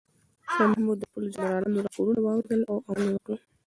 شاه محمود د خپلو جنرالانو راپورونه واورېدل او عمل یې وکړ.